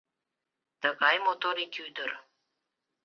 Тыгай мотор ик ӱдыр